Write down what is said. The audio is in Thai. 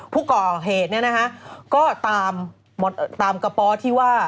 ผู้ก่อเหตุเนี่ยนะคะก็ตามกระป๋อที่ว่า